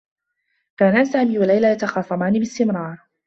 كانا سامي و ليلى يتخاصمان باستمرار.